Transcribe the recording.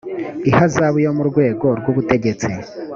ihazabu yo mu rwego rw ubutegetsi